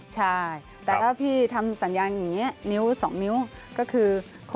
ใช่แต่ถ้าพี่ทำสัญญาณอย่างนี้นิ้ว๒นิ้วก็คือ